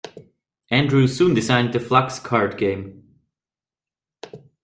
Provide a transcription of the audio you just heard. Andrew soon designed the Fluxx card game.